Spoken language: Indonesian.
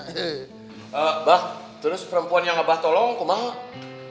eh abah terus perempuan yang abah tolong kemana